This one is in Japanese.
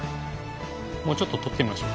もうちょっと撮ってみましょうか。